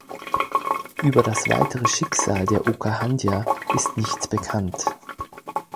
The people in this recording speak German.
Über das weitere Schicksal der "Okahandja" ist nichts bekannt.